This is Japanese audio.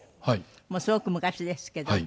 もうすごく昔ですけど。